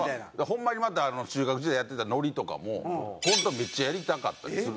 ホンマにまた中学時代にやってたノリとかも本当はめっちゃやりたかったりするんですよ。